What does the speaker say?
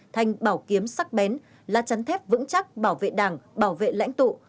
thành bảo kiếm sắc bén lá chắn thép vững chắc bảo vệ đảng bảo vệ lãnh tụ